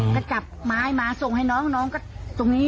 ก็จับไม้มาส่งให้น้องน้องก็ตรงนี้